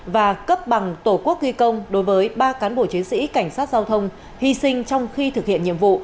và cấp bằng tổ quốc ghi công đối với ba cán bộ chiến sĩ cảnh sát giao thông hy sinh trong khi thực hiện nhiệm vụ